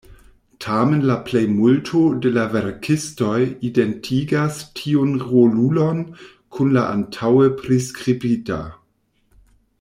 Tamen, la plejmulto de la verkistoj identigas tiun rolulon kun la antaŭe priskribita.